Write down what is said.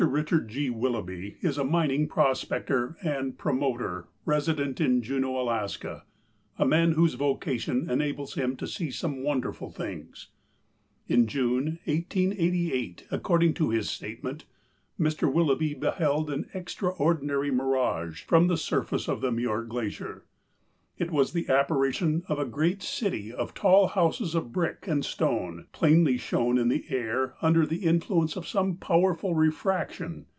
RICHARD G. WILLOUGHBY is a mining prospector and " promoter," resident in Juneau, Alaska, a man whose vocation enables him to see some wonderful things. In June, 1888, according to his statement, Mr. Willoughby beheld an extraor dinary mirage from the surface of the Muir Glacier. It was the apparition of a great city of tall houses of brick and stone, plainly shown in the air under the influence of some powerful refraction.